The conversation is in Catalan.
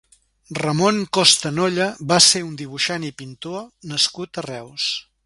Ramon Costa Nolla va ser un dibuixant i pintor nascut a Reus.